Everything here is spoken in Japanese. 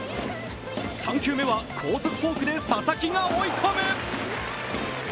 ３球目は高速フォークで佐々木が追い込む。